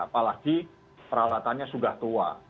apalagi peralatannya sudah tua